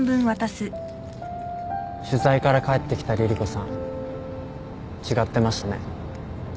取材から帰ってきた凛々子さん違ってましたね。